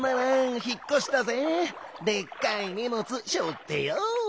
でっかいにもつしょってＹＯ。